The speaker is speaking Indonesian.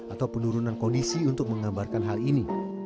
atau penurunan kondisi untuk menggambarkan hal ini